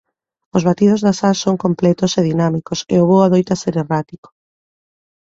Os batidos das ás son completos e dinámicos e o voo adoita ser errático.